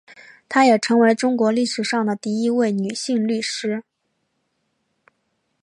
她也成为中国历史上第一位女性律师。